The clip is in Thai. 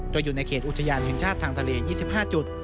โดยอยู่ในเขตอุทยานแห่งชาติทางทะเล๒๕จุด